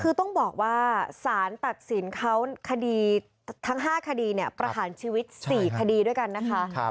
คือต้องบอกว่าสารตัดสินเขาคดีทั้ง๕คดีประหารชีวิต๔คดีด้วยกันนะคะ